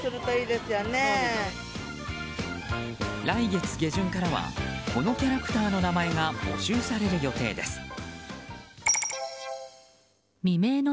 来月下旬からはこのキャラクターの名前が募集される予定です。